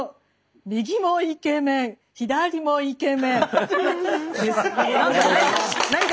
右もイケメン左もイケメン」です。